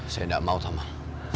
saya tidak mau tuhan